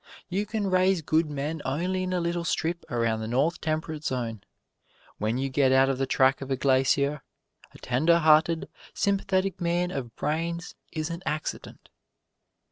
You can raise good men only in a little strip around the North Temperate Zone when you get out of the track of a glacier, a tender hearted, sympathetic man of brains is an accident."